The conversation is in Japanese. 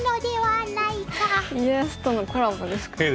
「家康」とのコラボですかね。